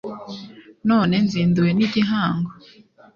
none nzinduwe n'igihango